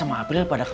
kakak masuk ke maidan